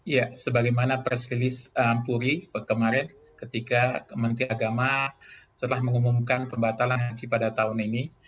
ya sebagaimana press release ampuri kemarin ketika menteri agama telah mengumumkan pembatalan haji pada tahun ini